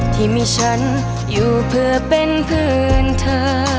ที่มีฉันอยู่เพื่อเป็นเพื่อนเธอ